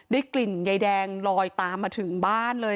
กลิ่นใยแดงลอยตามมาถึงบ้านเลย